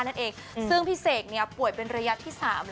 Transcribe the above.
นั่นเองซึ่งพี่เศกป่วยเป็นระยะที่๓แล้วนะ